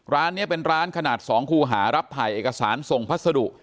ร้านนี้เป็นร้านขนาด๒คู่หารับถ่ายเอกสารส่งพัสดุ